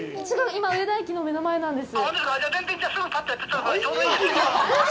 今、上田駅の目の前なんです。